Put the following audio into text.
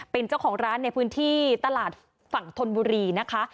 เป็นเจ้าของร้านในพื้นที่ตลาดฝั่งธนบุรีนะคะ